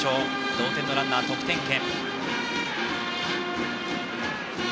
同点のランナー得点圏。